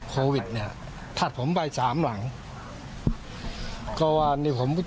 ก็ว่าจะไปตรวจดูประเภท